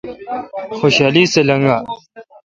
خوشالی سہ لیگا۔